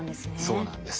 そうなんです。